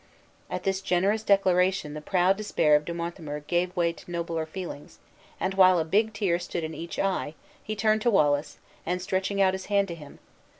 At this generous declaration the proud despair of De Monthermer gave way to nobler feelings; and while a big tear stood in each eye, he turned to Wallace, and stretching out his hand to him.